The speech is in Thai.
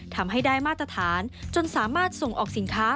ทำให้ได้มาตรฐานจนสามารถส่งออกสินค้า